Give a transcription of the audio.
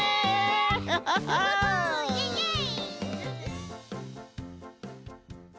イエイイエイ！